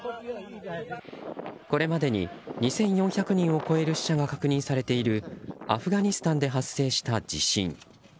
これまでに２４００人を超える死者が確認されているアフガニスタンで発生した地震。